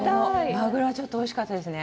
マグロは、おいしかったですね。